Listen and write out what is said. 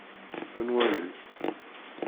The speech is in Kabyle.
Ad nwali.